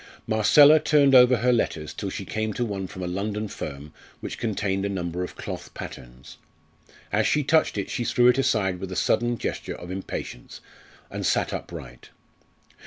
Marcella turned over her letters till she came to one from a London firm which contained a number of cloth patterns. As she touched it she threw it aside with a sudden gesture of impatience, and sat upright.